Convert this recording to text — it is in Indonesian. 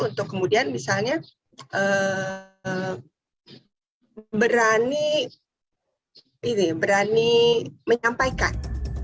untuk kemudian misalnya berani menyampaikan